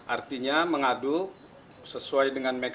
artinya mengadu sesuai dengan mekanisme